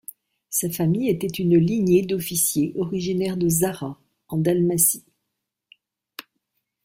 Sa famille était une lignée d'officiers originaire de Zara, en Dalmatie.